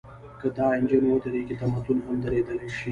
که دا انجن ودرېږي، تمدن هم درېدلی شي.